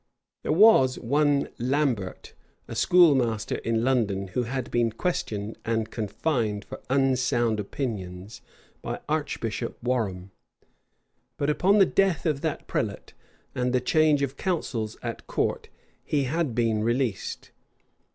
There was one Lambert,[*] a schoolmaster in London, who had been questioned and confined for unsound opinions by Archbishop Warham; but upon the death of that prelate, and the change of counsels at court, he had been released.